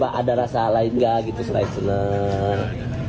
ada rasa alaikah gitu selesai seneng